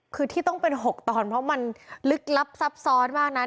คือที่ต้องเป็น๖ตอนเพราะมันลึกลับซับซ้อนมากนั้น